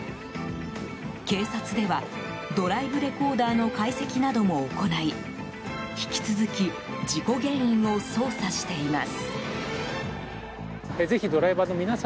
警察では、ドライブレコーダーの解析なども行い引き続き事故原因を捜査しています。